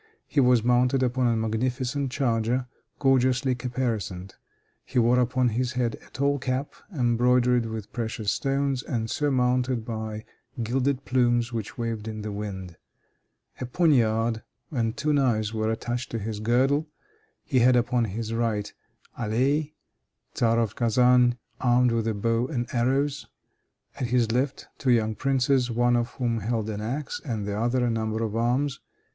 He was mounted upon a magnificent charger, gorgeously caparisoned. He wore upon his head a tall cap, embroidered with precious stones, and surmounted by gilded plumes which waved in the wind. A poignard and two knives were attached to his girdle. He had upon his right, Aley, tzar of Kazan, armed with a bow and arrows; at his left, two young princes, one of whom held an ax, and the other a number of arms.